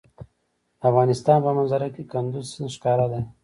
د افغانستان په منظره کې کندز سیند ښکاره دی.